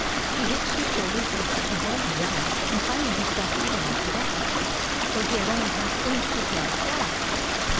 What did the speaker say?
He hitched his shoulders up, and rolled his eyes, and finally he stopped eating altogether, though he had only half finished his dried flies.